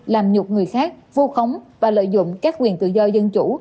làm nhục người khác vu khống và lợi dụng các quyền tự do dân chủ